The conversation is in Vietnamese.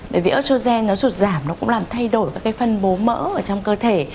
bởi vì oxogen nó rụt giảm nó cũng làm thay đổi các cái phân bố mỡ ở trong cơ thể